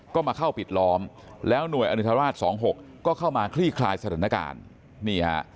ก็มาเข้าปิดล้อมแล้วหน่วยอนิทราชาาศัตริย์๒๖ก็เข้ามาคลี่คลายสถานการณ์